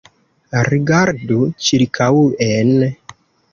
Rigardu ĉirkaŭen.